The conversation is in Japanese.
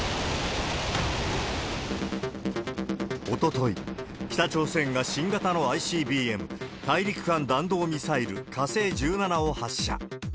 おととい、北朝鮮が新型のＩＣＢＭ・大陸間弾道ミサイル、火星１７を発射。